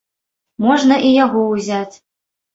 Можна і яго ўзяць.